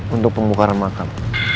untuk pembukaran makam